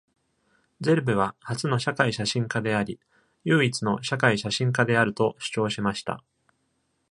ゼルベは、初の社会写真家であり、唯一の社会写真家であると主張しました。